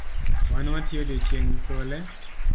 Wan watiyo odiechieng’ thole